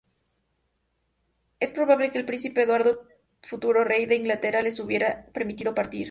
Es probable que el Príncipe Eduardo, futuro rey de Inglaterra les hubiera permitido partir.